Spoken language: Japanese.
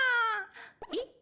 えっ？